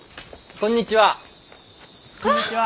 こんにちは！